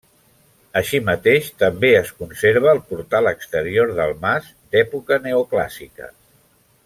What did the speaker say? Així mateix també es conserva el portal exterior del mas, d'època neoclàssica.